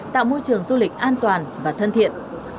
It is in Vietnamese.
tạo môi trường du lịch an toàn và thân thiện